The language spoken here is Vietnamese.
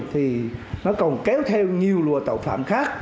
thì nó còn kéo theo nhiều lùa tàu phạm